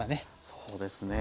そうですね。